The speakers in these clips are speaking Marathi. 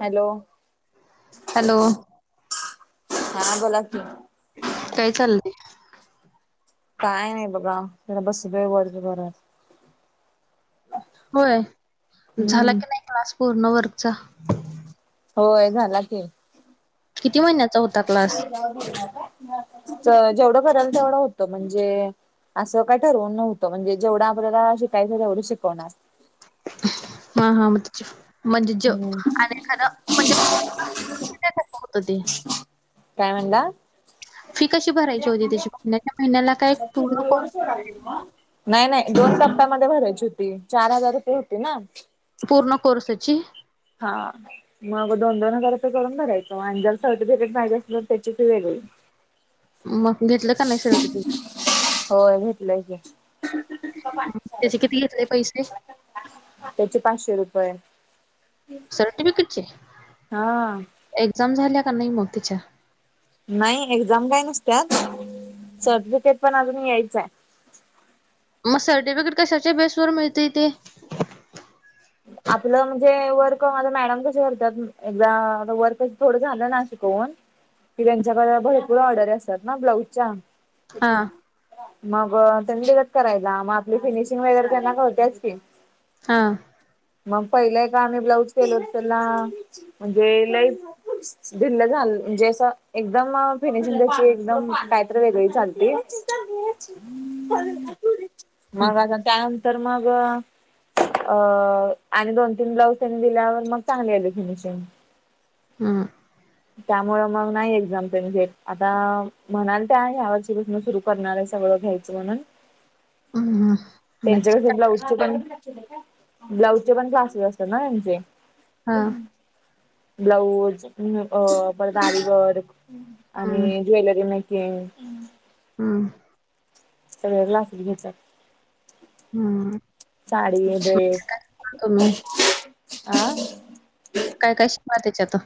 हॅलो हॅलो हा बोला की काय चाललंय काय नाही बघा त्याला बस वेग वाच घरात होय झाला हम्म की नाही क्लास पूर्ण वर्गचा होय झाला की किती महि्यात तर जेवढं कराल तेवढं होतं म्हणजे असं काही ठरवून नव्हतं म्हणजे जेवढं आपल्याला शिकायचं तेवढी शिकवणार ह हा मतच म्हणजे ज हम्म आणि खरं म्हणजे होत ते काय म्हड फी कशी भरायची होती त्याची महिन्याच्या महिन्याला काय पूर्ण कोर्स सोड आ नाही नाही दोन टप्प्यामध्ये भरायची होती चार हजार रुपये होती ना पूर्ण कोर्स अची हा मग दोन दोन क तर करून भरायचं आणि जर सर्टिफिकेट माहिे असेल तर त्याचीच वेगळी मग घेतलं का नाही से होय भेटलंय क त्यासे किती घेतले पैसे त्याचे पाचशे रुपये सर््टिफिकेटचे हा एक्झाम झाल्या का नाही मग तिच्या नाही एक्झाम काय नसतत सर्टिफिकेट पण अजून यायचं आहे मग सर्टिफिकेट कशाच्या बेस वर मिळते ते आपलं म्हणजे वर्क माझ मॅडम कस करतात एकदा वर्क थोडं झालं ना शिकवून की त्यांच्याकडे भरपूर ऑर्र असत ना ब्लाऊजच्या हा मग त्यांनी दित करायला मग आपली फिनिशिंग वगैरे त्यांना कतेच की हा मग पहिलंय का आम्ही ब्लाउज केलो त्याला म्हणजे लई. दिल झालं म्हणजे असं एकदम फिनेशशी एकदम कायतरी वेगळी झाचालती हम्म मग आता त्यानंतर मग अ अ आणि दोन तीन ब्लाऊज त्यांनी दिल्यावर मग चांगली आली फिनिशिंग हम त्यामुळे मग नाही एक्झाम त्यांचे आता म्हणाल त्याह्या ची पासुन सुरु. करणार आहे सगळं घ्यायचं म्हणून आवाज नाही त्यांच्याकस ब्लाऊज पण ब्लाऊजचे पण क्लासेस असतात ना त्यांचे हा ब्लाऊज अ पदरावरी वर्क हम्म आणि ज्वेलरी मेकिंग हम सगळ ग्लासली घेतात हम्म साडी ्रेस हा काय काय शिवा त्याच्यात.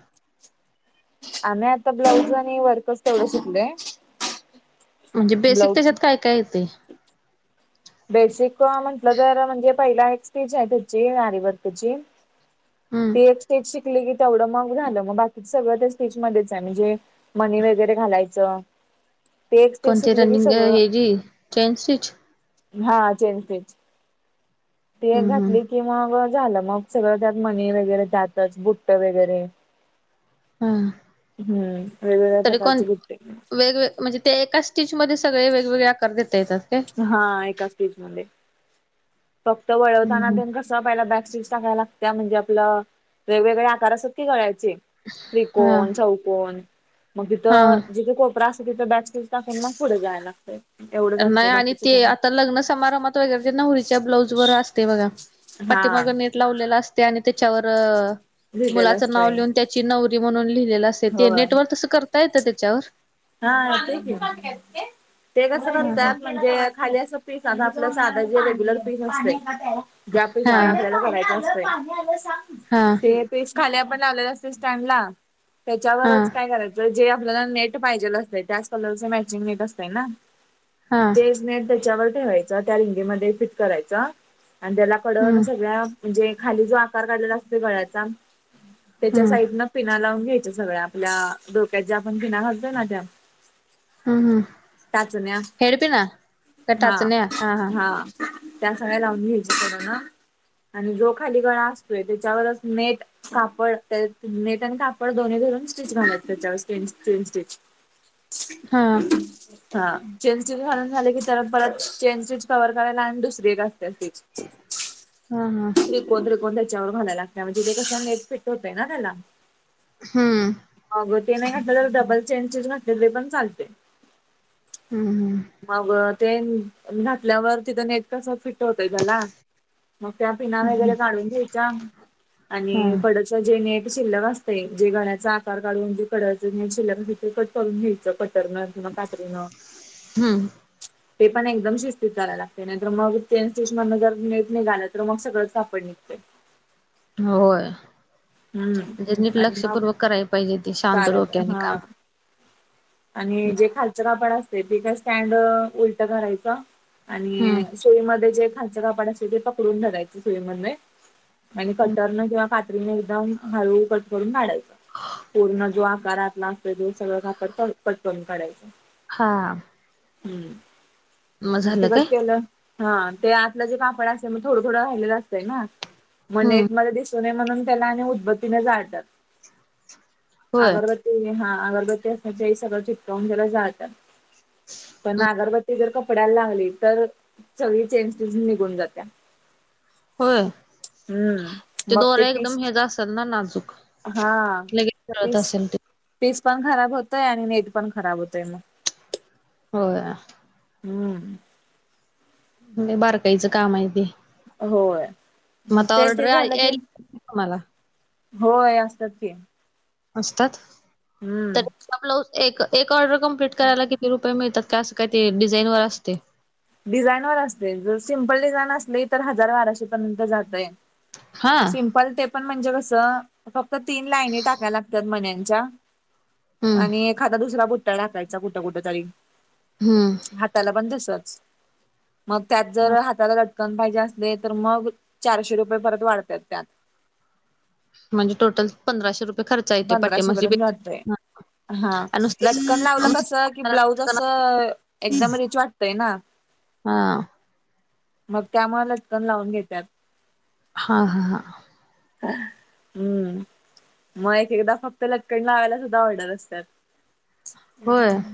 आम्ही आता ब्लाऊज आणि वर्कच तेवढं शिकलोय. म्हणजे बेसिक ब्लाऊज त्याच्यात काय काय येतय. बेसिक म्हटल तर म्हणजे पहिला एक स्टीच आहे त्याची आरीवर्कची. हं, ती एक स्टीच शिकली की तेवढं मग झालं. मग बाकीच सगळं त्या स्टीच मध्येच आहे. म्हणजे मनी वैगैरे घालायच. कोणचे रनिंग हे जी चेंज स्टिच. हा चेनफेज ती एक हं, हं. घातली कि मग झालं. मग सगळं त्यात मणी वगैरे त्यातच. बुट्ट वगैरे. हा हम्म वेगवेगळ्या प्रकारचे बुट्टे वेगवेग म्हणजे ते एका स्टीचमध्ये सगळे वेगवेगळे आकार देता येतात काय. हा एका स्टीचमध्ये फक्त हं, वळवताना हं. दनघस पहिला बॅक सीट टाकायला लागत्या. म्हणजे आपलं वेगवेगळे आकार असतात की गळायचे. हां, त्रिकोण, चौकोण मग तिथं हां. जिथ कोपरा अस तिथे बॅक स्पेस टाकुन मग पुढे जाय लागतय. नाही आणि ते आता लग्न समारंभात बघा त्या नवरीच्या ब्लाऊज वर असते बघा. पाठी हा मागे नेट लावलेला असते. आणि त्याच्यावर लिहिलेलं मुलाच नाव असतंय. लिहून त्याची नवरी म्हणून लिहिलेल असत. ते होय. नेटवर्क तस करता येत त्याच्यावर. हा ते कि. ते कस हां, करत्यात हां. म्हणजे खाली पीस आ आपल्या आधा जे रेग्युलर पीस असते. ज्या पीसावर हां, आपल्याला करायचय हां. ते पीस खाली पण लावलेले असते स्टँडला. हा त्याच्यावरच काय करायचं जे आपल्याला नेट पाहिजे असत त्याच कलरचे मॅचिंग नेट असतय ना. हा तेच नेट त्याच्यावर ठेवायचं. त्या रिंगेमध्ये फिट करायच. आणि त्याला कडन हम्म सगळ्या म्हणजे खाली जो आकार काढलेला असतोय गळ्याचा त्याच्या हम्म साईडन. पिना लावून घ्यायच्या सगळ्या आपल्या डोक्यात ज्या आपण पिना घालतोय ना त्या. हम्म हम्म टाचण्या हेडपीना का हा टाचण्या. हा हा त्या सगळ्या लावून घ्यायच्या कडेन. आणि जो खाली गळा असतोय त्याच्यावरच नेट कापड त्या नेट आणि कापड दोन्ही धरून स्टिच घालायच त्याच्यावर. स्टेन स्टीनचे. हा हा चेन स्विच घालून झाले की, तर परत चेन स्विच कव्हर करायला आणि दुसरी एक असते स्विच. हा हा तिकोण त्रिकोण त्याच्यावर घायला लागत म्हणजे ते कस नेट फिट होतं ना त्याला. हम्म अगं ते नाही घातल तरी डबल चेनचच घातल तरी पण चालतय. हम्म हम्म मग ते घातल्यावर तिथं नेट कस फिट होतय त्याला. मग त्या पिना हम्म वगैरे काढून घ्यायच्या हा आणि कडच जे नेट शिल्लक असतय जे गळ्याचा आकार काढून जे कडच नेट शिल्लक कट करून घ्यायच. कटरन किंवा कातरीन. हम्म ते पण एकदम शिस्तीत कराय लागतय. नाहीतर मग चेन स्टीच मधन जर नेट निघाल तर मग सगळच काप पण निघतय. होय. हम्म म्हणजे नीट आणि मग लक्षपूर्वक कराय पाहिजे ते शांत कार डोक्याने काम. हा आणि जे खालचं कापड असते ते काय स्टँड उलट करायच. आणि हम्म सुई मध्ये जे खालच कापड असते ते पकडून धरायच सुई मध्ये. आणि कटरन किंवा कात्री एकदम हळू कट करून काढायच. पूर्ण जो आकार आतला असतोय तो सगळ कापड कट करून काढायच. हा हम्म मग ते झालं कट काय केल. हा ते आतल जे कापड असते मग थोडं थोडं राहिलेल असतय ना. म हम्म मध्ये दिसू नये म्हणून त्याला आणि उद्बतीने जाळतात होय अगरब ते हा अगरबत्ती असत ते सगळं चिटकावून त्याला जातात पण हम्म, अगरबत्ती जर कपड्याला लागली तर सगळी चेंज निघून जाते होय हम्म ते मग दोराच्या पीस एकदम असल ना नाजूक हा लगेच कळत पीस असल ते पीस पण खराब होतय आणि नेट पण खराब होतय मग हो हम्म म्ह बारकाईचं कामाय ते होय मग आता ते ते ऑर्डर झालं कि यायला तुम्हाला होय असतात ते. असतात तर आप ऑर्डर कंपलीट करायला किती रुप प मिळतात काय असं का ते डिझाईन वर असते डिझाईन वर असते जर सिम्पल डिझाईन असली तर हजार बाराशे पर्यंत जातय हा. सिंम्पल ते पण म्हणजे कसं फक्त तीन लाईने टाकाय लागतात मन्यानच्या हम्म आणि एखादा दुसरा बुट्टा टाकायचा कुठं कुठं तरी हम्म हाताला पण तसंच. मग त्यात जर हाताला चटकन पाहिजे असले तर मग चारशे रुपये परत वाढतात त्यात म्हणजे टोटल पंधराशे रुपये खर्च येते पाटिमागची हां लटकन लावलं कसं की ब्लाऊज असं, एकदम रिच वाटतंय ना. हा. मग त्यामुळे लटकन लावून घेतात हा हा हां ह हम्म मग एक एकदा फक्त लटकन लावायला सुद्धा ऑर्डर असतात होय हम्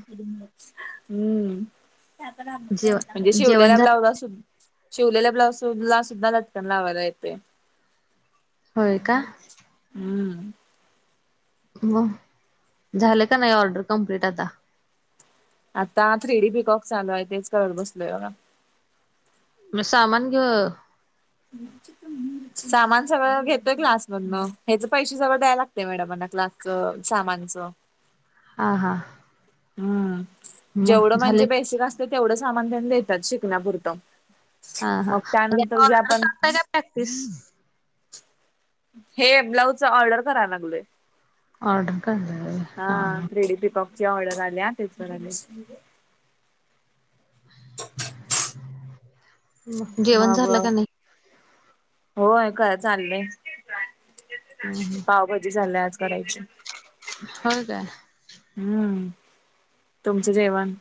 जेव म्हणजे जेवण शिवलेला झालं ब्लाउज असल शिवलेल्या ब्लाऊज ला सुद्धा लटकन लावायला येते होय का हम्म हो झाले का नाही ऑर्डर कम्प्लीट आता आता थ्री डी पीकॉक चालू आहे तेच कळत बसलोय बघ मग सामान ग [unintelligible] सामान सगळ घेतोय क्लास मधन हेच पैसे जवळ द्याय लागते मॅडमांना क्लास च सामानच. हा हा. हम्म, जेवढ मग झाले म्हणजे बेसिक असते तेवढ सामान त्यांन देतात शिकण्यापुरत. आ हा [unintelligible] प्रॅक्टिस. हे ब्लाऊज ऑर्डर करायला लागलोय ऑर्डर कराल होय हा थ्रीडी पिकॉपची ऑर्डर आल्या ते करायले [inaudible] मग जेवण झालं मागवाव, का नाही? हो हे काय चाललय. हो पावभाजी झालाय आज करायची होय काय हम्म तुमचं जेवण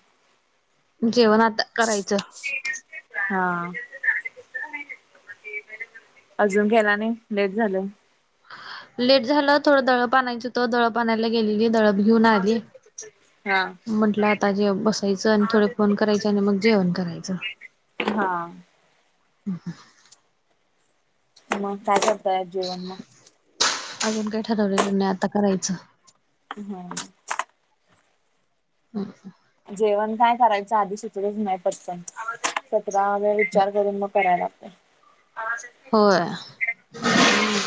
जेवण आत्ता करायचं ते हा अजून गेला नाही लेट झालं लेट झालं, थोडं दळप आणायचं होत, दळप आणायला गेलेली दळप घेऊन आली. हा म्हटलं आता जे बसायचं आणि थोडे फोन करायचे आणि मग जेवण करायचं हा. [inaudible] मग काय करताय [inaudible] अजून काही ठरवलेलं नाही आता करायचं [unintelligible] नहीसा. जेवण काय करायचं आधी सुचलंच नाही पटकन. आवाज येत [unintelligible] जा मे विचार करून मग कराय लागतय. आवाज येत होय [unintelligible] हम्म,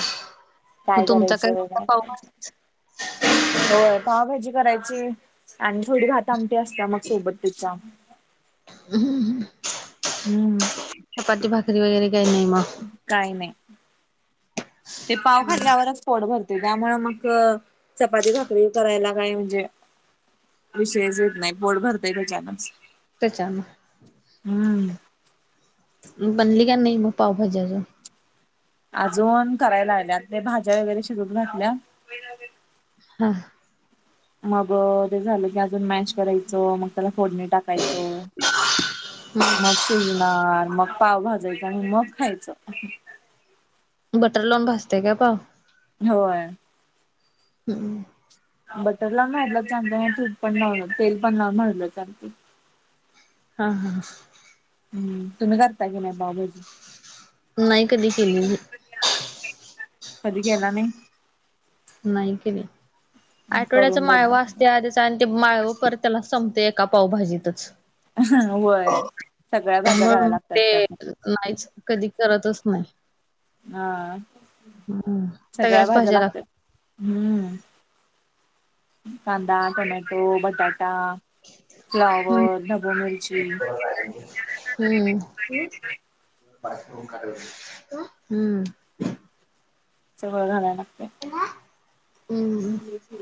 मग काय तुमचा करायचं, काय करायचं? पावभाजी होय पावभाजी करायची आणि थोडी घात आमटी असत मग सोबत तिच्या ह् ह् हम्म. चपाती भाकरी वगैरे काही नाही मग काही नाही, ते पाव खाल्ल्यावरच पोट भरते त्यामुळे मग चपाती भाकरी करायला काय म्हणजे विषयच [inaudible] नाही पोट भरते [inaudible] तेच्याम हम्म. बनली का नाही मग पावभाजी अजुन? अजून करायला लागल्या भाज्या वगैरे शिजवू घातल्या वेदावेत. [inaudible] मग ते झालं की अजून मॅश करायचं मग त्याला फोडणी टाक काय चवळ? मार्क्स शिजणार, मग पाव भाजायचा आणि मग खायच. बटर लाऊन भासते का पाव [inaudible] हम्म. बटरला [unintelligible] [inaudible] ना तूप पण तेल पण [inaudible] आ हा. हम्म, तुम्ही करता की नाही पावभाजी? नाही कधी केलेली कधी केला [inaudible] नाही केली आठवड्याचा करून बघा माळवा तुम्ही असते कारण ते माळव परत त्याला संपत एका पावभाजीतच. व्हय सगळ्या भाज्या त्यामुळे घाला मग लागतात त्यात ते नाहीच कधी करतच नाही हा सगळ्या भाज्या लागतात हम्म, कांदा टोमॅटो बटाटा. हम्म फ्लावर, ढबु मिरची. हम्म [inaudible] क हम्म. [unintelligible] लागते [unintelligible] ना.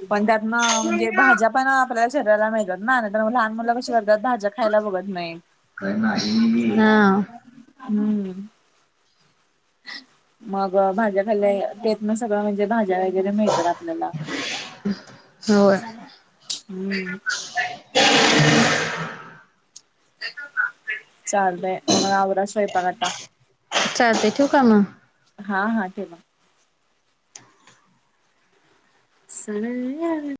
पण त्यातन म्हणजे भाज्या पण आपल्या शरीराला मिळतात ना नाही, तर मग लहान मुलं कशी करतात, भाज्या खायला बघत नाही. हम्म हा [unintelligible] हम्म मग भाज्या खाल्ल्या [inaudible] ना सगळं म्हणजे भाज्या [unintelligible] [inaudible] आपल्याला [inaudible] होय चालतय मग आवरा स्वयंपाक आता चालते ठेवू का मग हा हा तेव्हा सणांनी यावे.